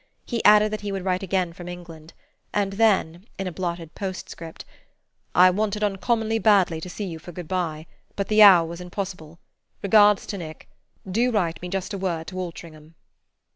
He added that he would write again from England, and then in a blotted postscript : "I wanted uncommonly badly to see you for good bye, but the hour was impossible. Regards to Nick. Do write me just a word to Altringham."